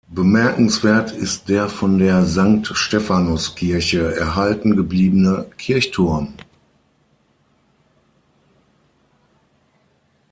Bemerkenswert ist der von der Sankt-Stephanus-Kirche erhalten gebliebene Kirchturm.